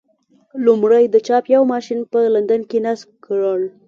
لومړی د چاپ یو ماشین په لندن کې نصب کړل.